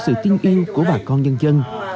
sự tin yêu của bà con nhân dân